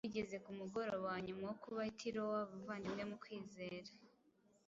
Bigeze ku mugoroba wa nyuma wo kuba i Tirowa abavandimwe mu kwizera